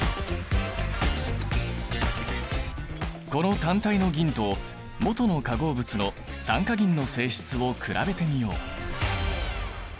この単体の銀ともとの化合物の酸化銀の性質を比べてみよう。